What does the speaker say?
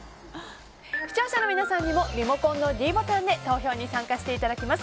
視聴者の皆さんにもリモコンのｄボタンで投票に参加していただきます。